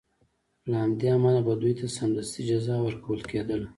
له همدې امله به دوی ته سمدستي جزا ورکول کېدله.